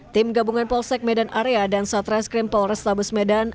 tim gabungan polsek medan area dan satra skrimpol restabus medan